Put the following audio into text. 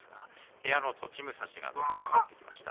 部屋の栃武蔵が土俵に上がってきました。